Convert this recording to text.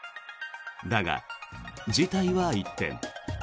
だが、事態は一転。